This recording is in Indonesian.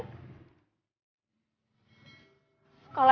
kalau emang akhirnya nanti dede nikah sama orang lain